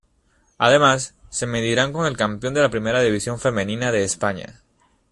Además, se medirán con el campeón de la Primera División Femenina de España.